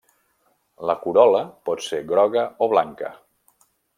La corol·la pot ser groga o blanca.